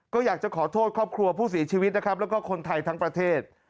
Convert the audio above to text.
ก็อยากจะขอโทษครอบครัวผู้เสียชีวิตนะครับแล้วก็คนไทยทั้งประเทศ